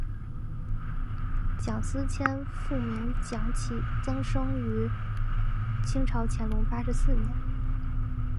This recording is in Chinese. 蒋斯千父名蒋祈增生于清朝乾隆四十八年。